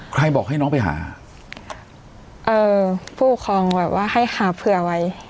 ใครบอกให้น้องไปหาเอ่อผู้ปกครองแบบว่าให้หาเผื่อไว้